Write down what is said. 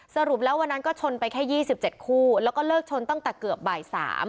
สรุปแล้ววันนั้นก็ชนไปแค่๒๗คู่แล้วก็เลิกชนตั้งแต่เกือบบ่าย๓